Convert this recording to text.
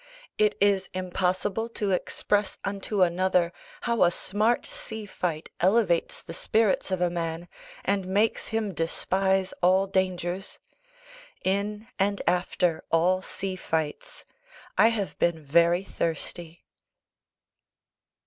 It is impossible to express unto another how a smart sea fight elevates the spirits of a man, and makes him despise all dangers. In and after all sea fights, I have been very thirsty.